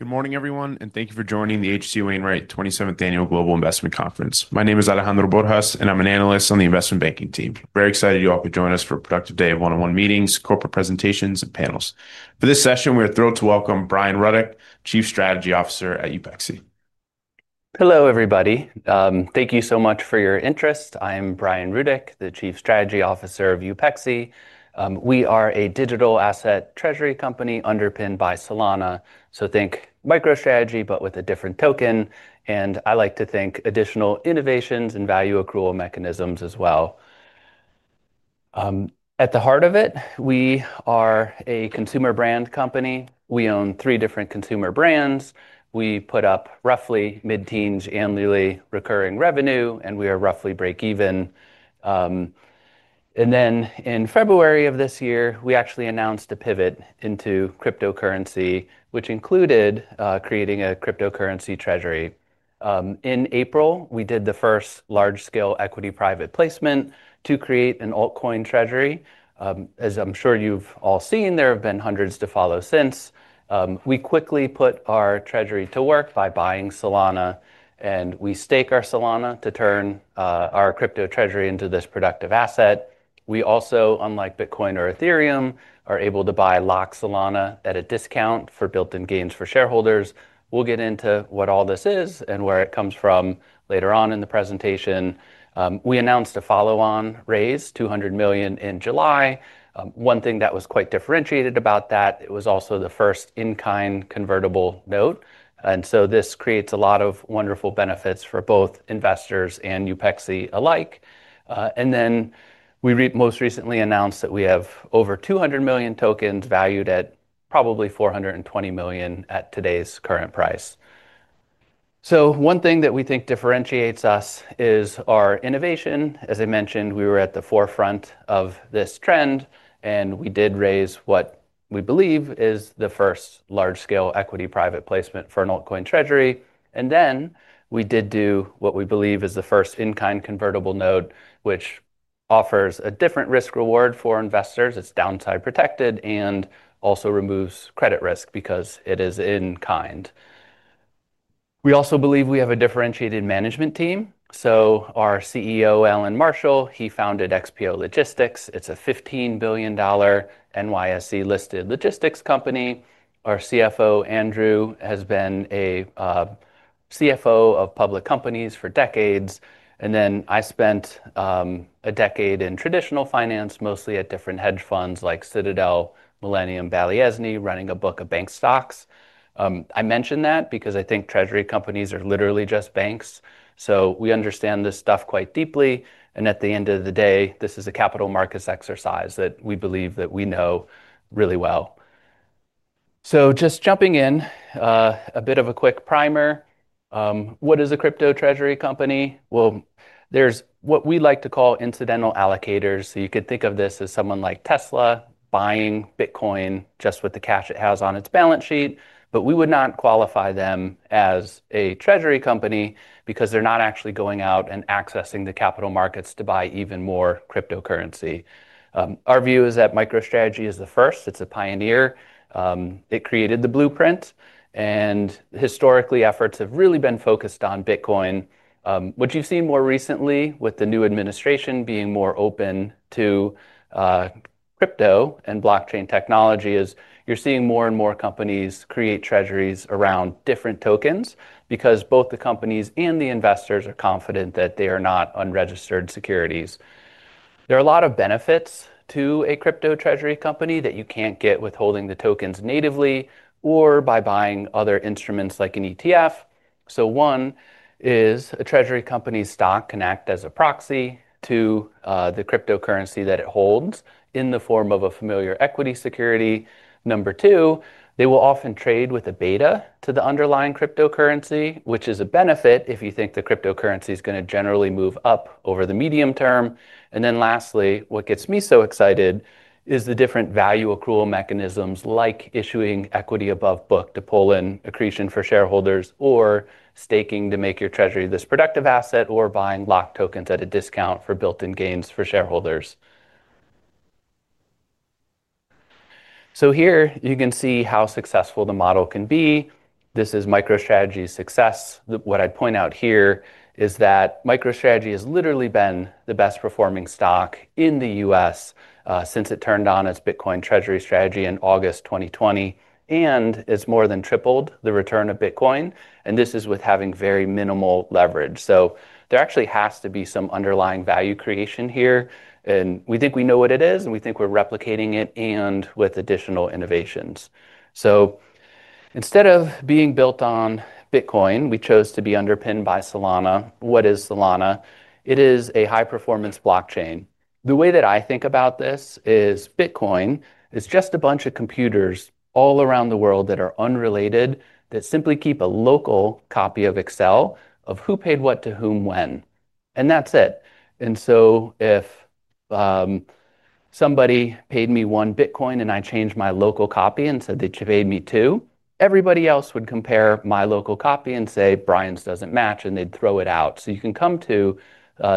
Good morning, everyone, and thank you for joining the HC Wainwright 27th Annual Global Investment Conference. My name is Alejandro Borjas, and I'm an analyst on the Investment Banking team. We're very excited you all could join us for a productive day of one-on-one meetings, corporate presentations, and panels. For this session, we're thrilled to welcome Brian Rudick, Chief Strategy Officer at Upexi Inc. Hello, everybody. Thank you so much for your interest. I'm Brian Rudick, the Chief Strategy Officer of Upexi Inc. We are a digital asset treasury company underpinned by Solana, so think MicroStrategy, but with a different token. I like to think additional innovations and value accrual mechanisms as well. At the heart of it, we are a consumer brand company. We own three different consumer brands. We put up roughly mid-teens annually recurring revenue, and we are roughly break-even. In February of this year, we actually announced a pivot into cryptocurrency, which included creating a cryptocurrency treasury. In April, we did the first large-scale equity private placement to create an altcoin treasury. As I'm sure you've all seen, there have been hundreds to follow since. We quickly put our treasury to work by buying Solana, and we stake our Solana to turn our crypto treasury into this productive asset. We also, unlike Bitcoin or Ethereum, are able to buy locked Solana at a discount for built-in gains for shareholders. We'll get into what all this is and where it comes from later on in the presentation. We announced a follow-on raise, $200 million, in July. One thing that was quite differentiated about that, it was also the first in-kind convertible note. This creates a lot of wonderful benefits for both investors and Upexi Inc alike. We most recently announced that we have over 200 million tokens valued at probably $420 million at today's current price. One thing that we think differentiates us is our innovation. As I mentioned, we were at the forefront of this trend, and we did raise what we believe is the first large-scale equity private placement for an altcoin treasury. We did do what we believe is the first in-kind convertible note, which offers a different risk-reward for investors. It's downside protected and also removes credit risk because it is in-kind. We also believe we have a differentiated management team. Our CEO, Allan Marshall, founded XPO Logistics. It's a $15 billion NYSE-listed logistics company. Our CFO, Andrew Norstrud, has been a CFO of public companies for decades. I spent a decade in traditional finance, mostly at different hedge funds like Citadel, Millennium, and Baliezni running a book of bank stocks. I mention that because I think treasury companies are literally just banks. We understand this stuff quite deeply. At the end of the day, this is a capital markets exercise that we believe we know really well. Just jumping in, a bit of a quick primer. What is a crypto treasury company? There are what we like to call incidental allocators. You could think of this as someone like Tesla buying Bitcoin just with the cash it has on its balance sheet. We would not qualify them as a treasury company because they're not actually going out and accessing the capital markets to buy even more cryptocurrency. Our view is that MicroStrategy is the first. It's a pioneer. It created the blueprint. Historically, efforts have really been focused on Bitcoin. What you've seen more recently with the new administration being more open to crypto and blockchain technology is you're seeing more and more companies create treasuries around different tokens because both the companies and the investors are confident that they are not unregistered securities. There are a lot of benefits to a crypto treasury company that you can't get with holding the tokens natively or by buying other instruments like an ETF. One is a treasury company's stock can act as a proxy to the cryptocurrency that it holds in the form of a familiar equity security. Number two, they will often trade with a beta to the underlying cryptocurrency, which is a benefit if you think the cryptocurrency is going to generally move up over the medium term. Lastly, what gets me so excited is the different value accrual mechanisms like issuing equity above book to pull in accretion for shareholders or staking to make your treasury this productive asset or buying locked tokens at a discount for built-in gains for shareholders. Here you can see how successful the model can be. This is MicroStrategy's success. What I'd point out here is that MicroStrategy has literally been the best-performing stock in the U.S. since it turned on its Bitcoin treasury strategy in August 2020. It's more than tripled the return of Bitcoin. This is with having very minimal leverage. There actually has to be some underlying value creation here. We think we know what it is, and we think we're replicating it and with additional innovations. Instead of being built on Bitcoin, we chose to be underpinned by Solana. What is Solana? It is a high-performance blockchain. The way that I think about this is Bitcoin is just a bunch of computers all around the world that are unrelated that simply keep a local copy of Excel of who paid what to whom when. That's it. If somebody paid me one Bitcoin and I changed my local copy and said they paid me two, everybody else would compare my local copy and say, "Brian's doesn't match," and they'd throw it out. You can come to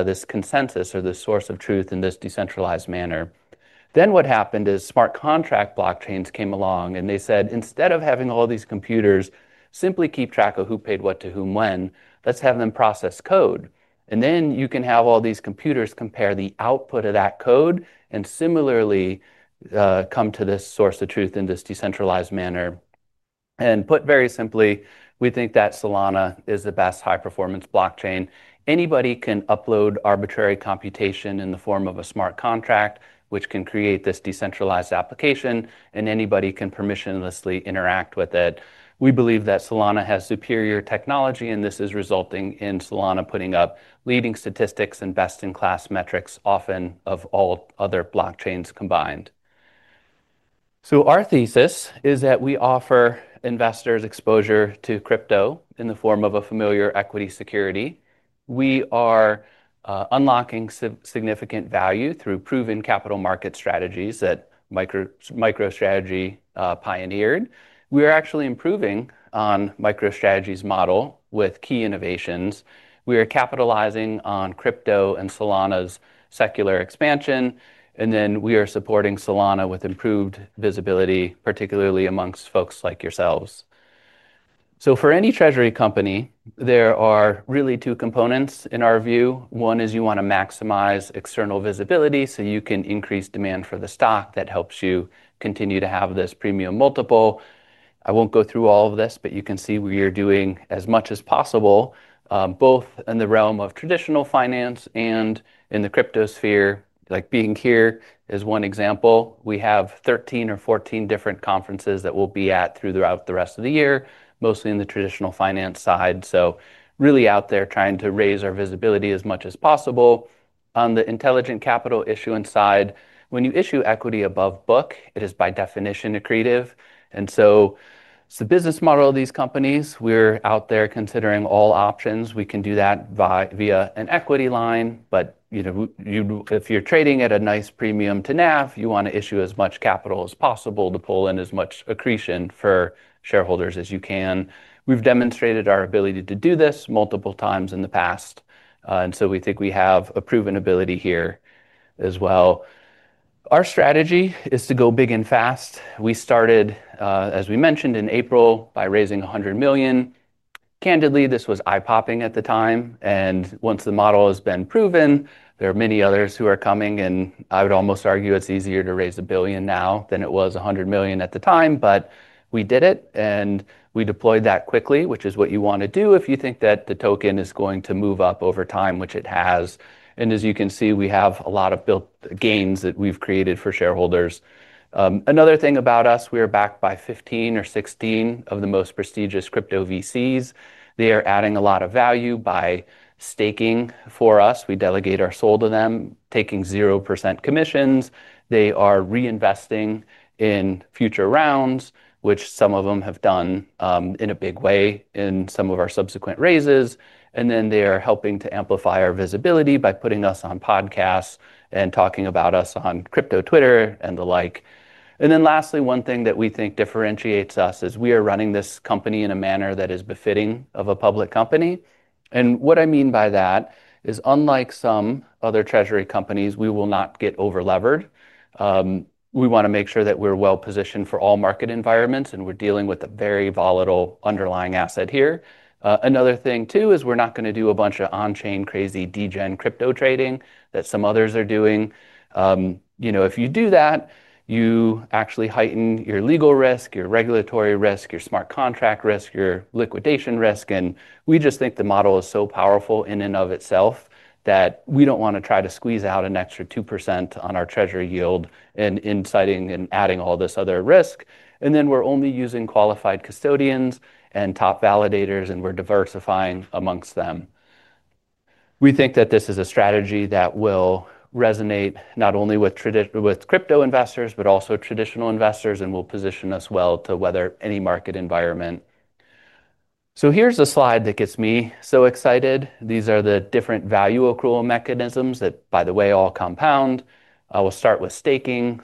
this consensus or this source of truth in this decentralized manner. What happened is smart contract blockchains came along and they said, instead of having all these computers simply keep track of who paid what to whom when, let's have them process code. You can have all these computers compare the output of that code and similarly come to this source of truth in this decentralized manner. Put very simply, we think that Solana is the best high-performance blockchain. Anybody can upload arbitrary computation in the form of a smart contract, which can create this decentralized application, and anybody can permissionlessly interact with it. We believe that Solana has superior technology, and this is resulting in Solana putting up leading statistics and best-in-class metrics, often of all other blockchains combined. Our thesis is that we offer investors exposure to crypto in the form of a familiar equity security. We are unlocking significant value through proven capital market strategies that MicroStrategy pioneered. We are actually improving on MicroStrategy's model with key innovations. We are capitalizing on crypto and Solana's secular expansion. We are supporting Solana with improved visibility, particularly amongst folks like yourselves. For any treasury company, there are really two components in our view. One is you want to maximize external visibility so you can increase demand for the stock that helps you continue to have this premium multiple. I won't go through all of this, but you can see we are doing as much as possible, both in the realm of traditional finance and in the crypto sphere. Like being here is one example. We have 13 or 14 different conferences that we'll be at throughout the rest of the year, mostly in the traditional finance side. Really out there trying to raise our visibility as much as possible. On the intelligent capital issuance side, when you issue equity above book, it is by definition accretive. It's the business model of these companies. We're out there considering all options. We can do that via an equity line. If you're trading at a nice premium to NAV, you want to issue as much capital as possible to pull in as much accretion for shareholders as you can. We've demonstrated our ability to do this multiple times in the past, and we think we have a proven ability here as well. Our strategy is to go big and fast. We started, as we mentioned, in April by raising $100 million. Candidly, this was eye-popping at the time. Once the model has been proven, there are many others who are coming. I would almost argue it's easier to raise $1 billion now than it was $100 million at the time. We did it, and we deployed that quickly, which is what you want to do if you think that the token is going to move up over time, which it has. As you can see, we have a lot of built gains that we've created for shareholders. Another thing about us, we are backed by 15 or 16 of the most prestigious crypto VCs. They are adding a lot of value by staking for us. We delegate our Sol to them, taking 0% commissions. They are reinvesting in future rounds, which some of them have done in a big way in some of our subsequent raises. They are helping to amplify our visibility by putting us on podcasts and talking about us on crypto Twitter and the like. Lastly, one thing that we think differentiates us is we are running this company in a manner that is befitting of a public company. What I mean by that is, unlike some other treasury companies, we will not get over-levered. We want to make sure that we're well-positioned for all market environments, and we're dealing with a very volatile underlying asset here. Another thing, too, is we're not going to do a bunch of on-chain crazy degen crypto trading that some others are doing. If you do that, you actually heighten your legal risk, your regulatory risk, your smart contract risk, your liquidation risk. We just think the model is so powerful in and of itself that we don't want to try to squeeze out an extra 2% on our treasury yield and inciting and adding all this other risk. We're only using qualified custodians and top validators, and we're diversifying amongst them. We think that this is a strategy that will resonate not only with crypto investors, but also traditional investors and will position us well to weather any market environment. Here's a slide that gets me so excited. These are the different value accrual mechanisms that, by the way, all compound. I will start with staking.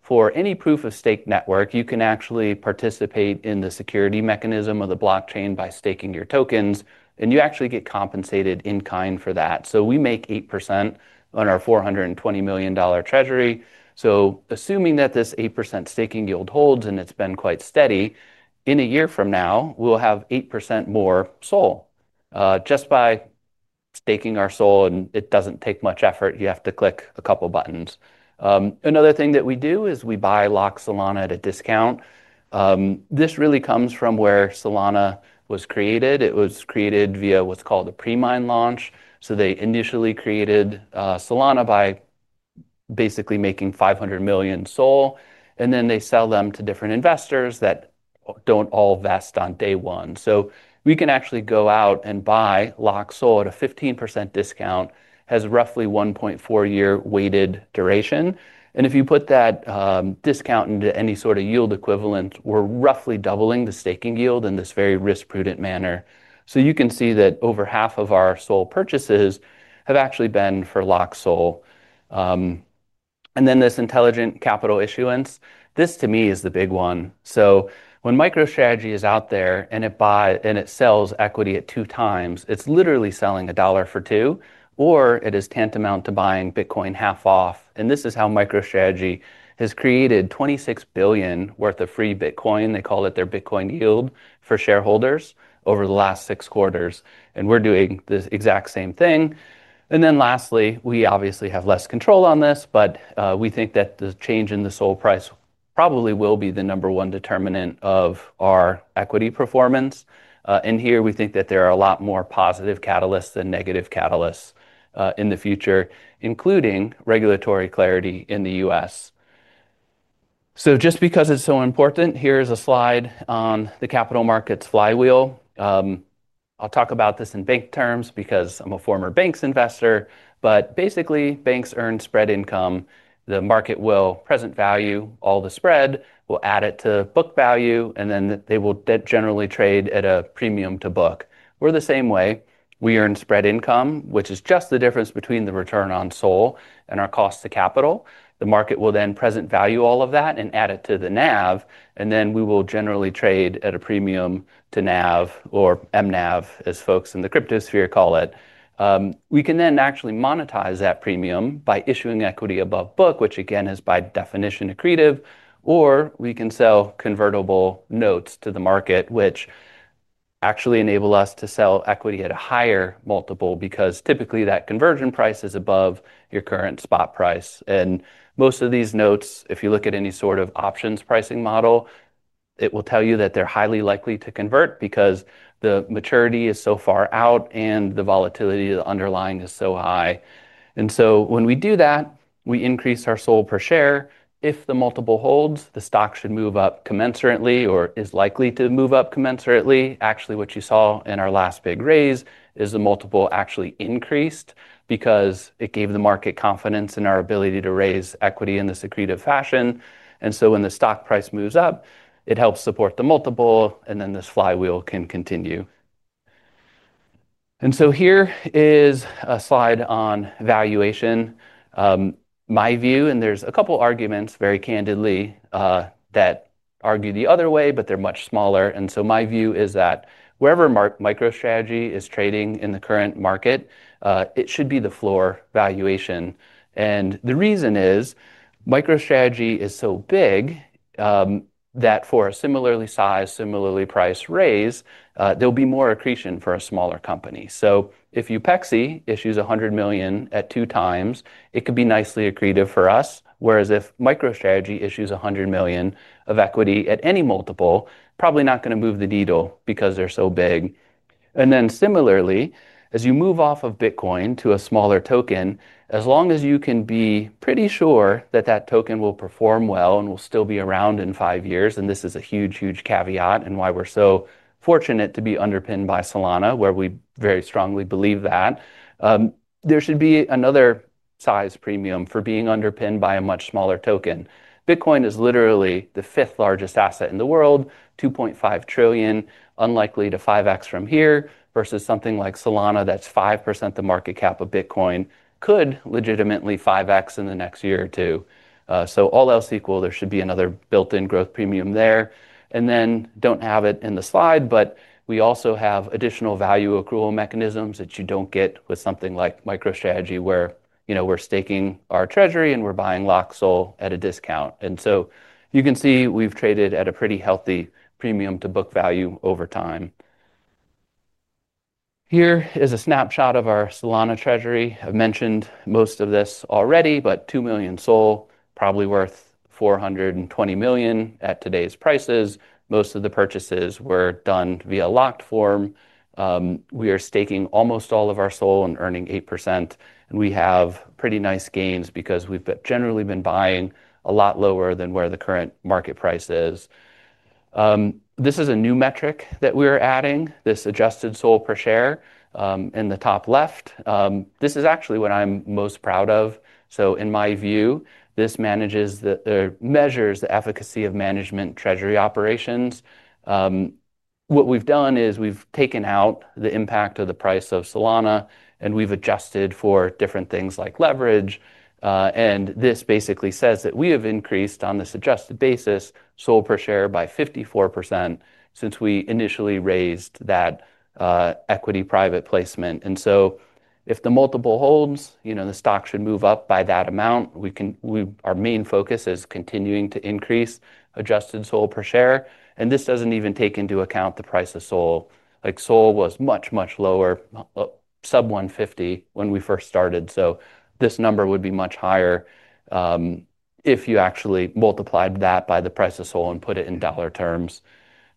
For any proof-of-stake network, you can actually participate in the security mechanism of the blockchain by staking your tokens, and you actually get compensated in kind for that. We make 8% on our $420 million treasury. Assuming that this 8% staking yield holds and it's been quite steady, in a year from now, we'll have 8% more SOL just by staking our SOL. It doesn't take much effort. You have to click a couple of buttons. Another thing that we do is we buy locked Solana at a discount. This really comes from where Solana was created. It was created via what's called a pre-mine launch. They initially created Solana by basically making 500 million SOL, and then they sell them to different investors that don't all vest on day one. We can actually go out and buy locked SOL at a 15% discount. It has roughly a 1.4-year weighted duration. If you put that discount into any sort of yield equivalent, we're roughly doubling the staking yield in this very risk-prudent manner. You can see that over half of our SOL purchases have actually been for locked SOL. This intelligent capital issuance, this to me is the big one. When MicroStrategy is out there and it sells equity at two times, it's literally selling $1 for $2, or it is tantamount to buying Bitcoin half off. This is how MicroStrategy has created $26 billion worth of free Bitcoin. They call it their Bitcoin yield for shareholders over the last six quarters. We're doing this exact same thing. Lastly, we obviously have less control on this, but we think that the change in the SOL price probably will be the number one determinant of our equity performance. Here we think that there are a lot more positive catalysts than negative catalysts in the future, including regulatory clarity in the U.S. Just because it's so important, here is a slide on the capital markets flywheel. I'll talk about this in bank terms because I'm a former banks investor. Basically, banks earn spread income. The market will present value all the spread, will add it to book value, and then they will generally trade at a premium to book. We're the same way. We earn spread income, which is just the difference between the return on SOL and our cost to capital. The market will then present value all of that and add it to the NAV. We will generally trade at a premium to NAV or MNAV, as folks in the crypto sphere call it. We can then actually monetize that premium by issuing equity above book, which again is by definition accretive. We can sell convertible notes to the market, which actually enable us to sell equity at a higher multiple because typically that conversion price is above your current spot price. Most of these notes, if you look at any sort of options pricing model, will tell you that they're highly likely to convert because the maturity is so far out and the volatility of the underlying is so high. When we do that, we increase our SOL per share. If the multiple holds, the stock should move up commensurately or is likely to move up commensurately. What you saw in our last big raise is the multiple actually increased because it gave the market confidence in our ability to raise equity in this accretive fashion. When the stock price moves up, it helps support the multiple, and this flywheel can continue. Here is a slide on valuation. My view, and there's a couple of arguments very candidly that argue the other way, but they're much smaller. My view is that wherever MicroStrategy is trading in the current market, it should be the floor valuation. The reason is MicroStrategy is so big that for a similarly sized, similarly priced raise, there will be more accretion for a smaller company. If Upexi issues $100 million at two times, it could be nicely accretive for us. Whereas if MicroStrategy issues $100 million of equity at any multiple, probably not going to move the needle because they're so big. Similarly, as you move off of Bitcoin to a smaller token, as long as you can be pretty sure that that token will perform well and will still be around in five years, and this is a huge, huge caveat and why we're so fortunate to be underpinned by Solana, where we very strongly believe that, there should be another size premium for being underpinned by a much smaller token. Bitcoin is literally the fifth largest asset in the world, $2.5 trillion, unlikely to 5x from here versus something like Solana that's 5% the market cap of Bitcoin, could legitimately 5x in the next year or two. All else equal, there should be another built-in growth premium there. We don't have it in the slide, but we also have additional value accrual mechanisms that you don't get with something like MicroStrategy, where we're staking our treasury and we're buying locked Solana at a discount. You can see we've traded at a pretty healthy premium to book value over time. Here is a snapshot of our Solana treasury. I've mentioned most of this already, but 2 million Solana, probably worth $420 million at today's prices. Most of the purchases were done via locked form. We are staking almost all of our Solana and earning 8%. We have pretty nice gains because we've generally been buying a lot lower than where the current market price is. This is a new metric that we're adding, this adjusted Solana per share in the top left. This is actually what I'm most proud of. In my view, this manages or measures the efficacy of management treasury operations. What we've done is we've taken out the impact of the price of Solana, and we've adjusted for different things like leverage. This basically says that we have increased on this adjusted basis Solana per share by 54% since we initially raised that equity private placement. If the multiple holds, the stock should move up by that amount. Our main focus is continuing to increase adjusted Solana per share. This doesn't even take into account the price of Solana. Solana was much, much lower, sub $150 when we first started. This number would be much higher if you actually multiplied that by the price of Solana and put it in dollar terms.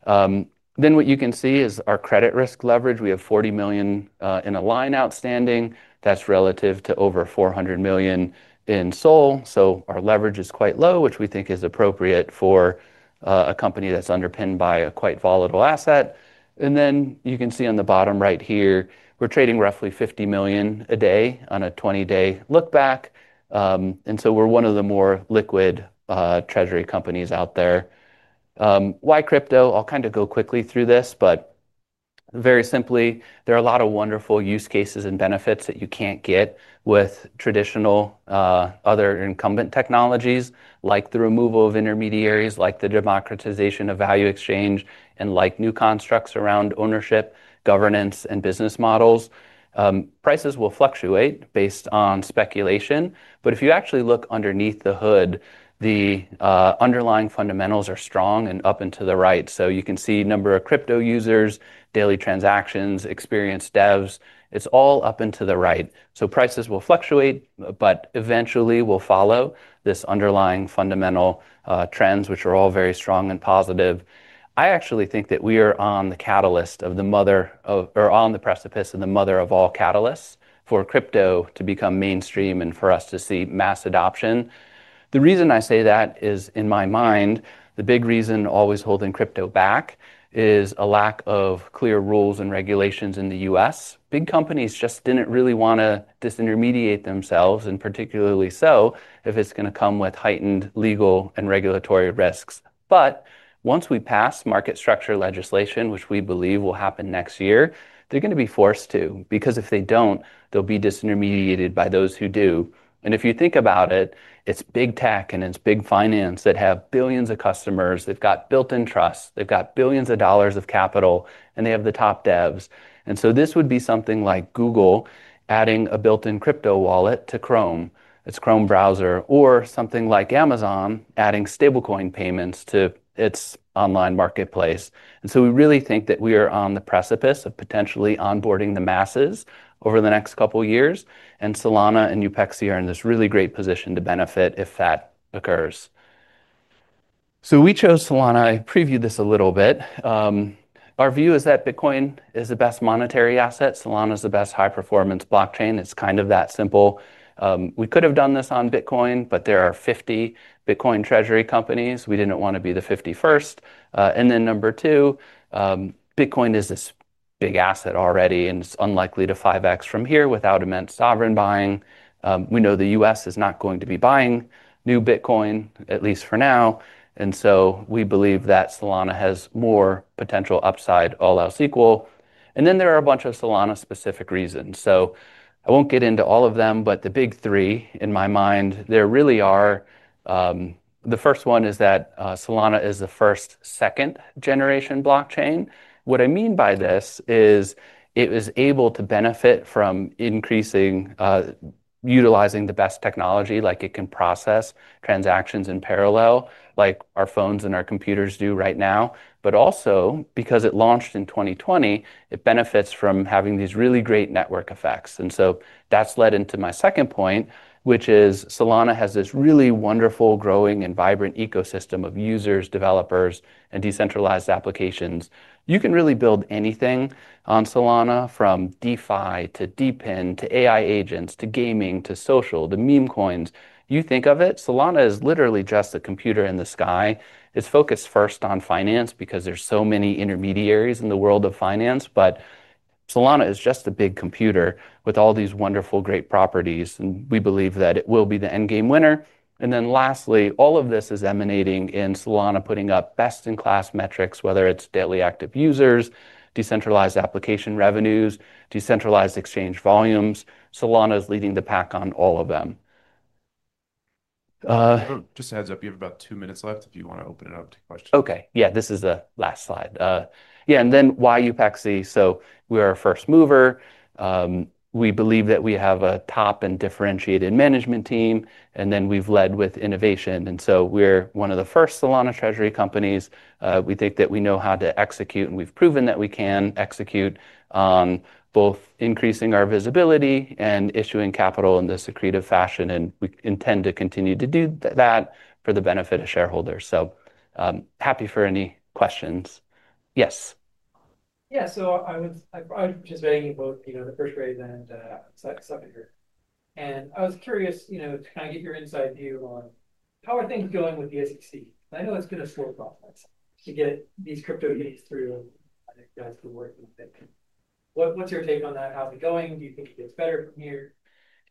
What you can see is our credit risk leverage. We have $40 million in a line outstanding. That's relative to over $400 million in Solana. Our leverage is quite low, which we think is appropriate for a company that's underpinned by a quite volatile asset. You can see on the bottom right here, we're trading roughly $50 million a day on a 20-day lookback. We're one of the more liquid treasury companies out there. Why crypto? I'll go quickly through this, but very simply, there are a lot of wonderful use cases and benefits that you can't get with traditional other incumbent technologies, like the removal of intermediaries, the democratization of value exchange, and new constructs around ownership, governance, and business models. Prices will fluctuate based on speculation. If you actually look underneath the hood, the underlying fundamentals are strong and up into the right. You can see the number of crypto users, daily transactions, experienced devs. It's all up and to the right. Prices will fluctuate, but eventually will follow these underlying fundamental trends, which are all very strong and positive. I actually think that we are on the precipice of the mother of all catalysts for crypto to become mainstream and for us to see mass adoption. The reason I say that is, in my mind, the big reason always holding crypto back is a lack of clear rules and regulations in the U.S. Big companies just didn't really want to disintermediate themselves, particularly if it's going to come with heightened legal and regulatory risks. Once we pass market structure legislation, which we believe will happen next year, they're going to be forced to, because if they don't, they'll be disintermediated by those who do. If you think about it, it's big tech and it's big finance that have billions of customers. They've got built-in trust. They've got billions of dollars of capital. They have the top devs. This would be something like Google adding a built-in crypto wallet to its Chrome browser, or something like Amazon adding stablecoin payments to its online marketplace. We really think that we are on the precipice of potentially onboarding the masses over the next couple of years. Solana and Upexi are in this really great position to benefit if that occurs. We chose Solana. I previewed this a little bit. Our view is that Bitcoin is the best monetary asset. Solana is the best high-performance blockchain. It's kind of that simple. We could have done this on Bitcoin, but there are 50 Bitcoin treasury companies. We didn't want to be the 51st. Number two, Bitcoin is this big asset already, and it's unlikely to 5x from here without immense sovereign buying. We know the U.S. is not going to be buying new Bitcoin, at least for now. We believe that Solana has more potential upside, all else equal. There are a bunch of Solana-specific reasons. I won't get into all of them, but the big three in my mind, there really are. The first one is that Solana is the first second-generation blockchain. What I mean by this is it is able to benefit from increasing utilizing the best technology, like it can process transactions in parallel, like our phones and our computers do right now. Also, because it launched in 2020, it benefits from having these really great network effects. That's led into my second point, which is Solana has this really wonderful, growing, and vibrant ecosystem of users, developers, and decentralized applications. You can really build anything on Solana, from DeFi to DePIN to AI agents to gaming to social to meme coins. You think of it, Solana is literally just a computer in the sky. It's focused first on finance because there's so many intermediaries in the world of finance. Solana is just a big computer with all these wonderful, great properties. We believe that it will be the endgame winner. Lastly, all of this is emanating in Solana putting up best-in-class metrics, whether it's daily active users, decentralized application revenues, decentralized exchange volumes. Solana is leading the pack on all of them. Just a heads up, you have about two minutes left if you want to open it up to questions. OK, yeah, this is the last slide. Yeah, and then why Upexi? We are a first mover. We believe that we have a top and differentiated management team. We've led with innovation. We're one of the first Solana treasury companies. We think that we know how to execute, and we've proven that we can execute on both increasing our visibility and issuing capital in this accretive fashion. We intend to continue to do that for the benefit of shareholders. Happy for any questions. Yes. Yeah, I was just reading about the first great event at Southern Europe. I was curious to get your inside view on how things are going with the SEC. I know it's been a slow process to get these crypto games through. I think you guys have been working with Bitcoin. What's your take on that? How's it going?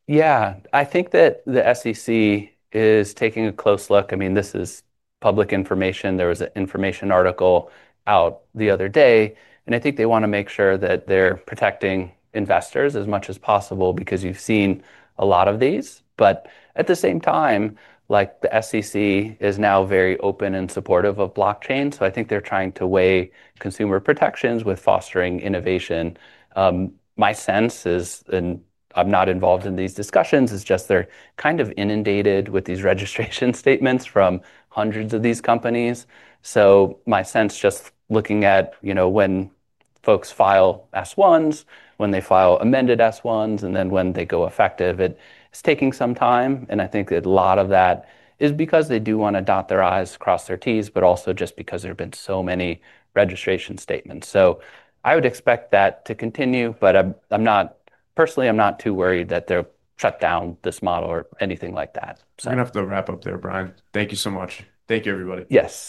Yeah, I think that the SEC is taking a close look. I mean, this is public information. There was an information article out the other day. I think they want to make sure that they're protecting investors as much as possible because you've seen a lot of these. At the same time, the SEC is now very open and supportive of blockchain. I think they're trying to weigh consumer protections with fostering innovation. My sense is, and I'm not involved in these discussions, they're kind of inundated with these registration statements from hundreds of these companies. My sense, just looking at, you know, when folks file S-1s, when they file amended S-1s, and then when they go effective, it's taking some time. I think that a lot of that is because they do want to dot their I's, cross their T's, but also just because there have been so many registration statements. I would expect that to continue. I'm not personally, I'm not too worried that they'll shut down this model or anything like that. We're going to have to wrap up there, Brian. Thank you so much. Thank you, everybody. Yes.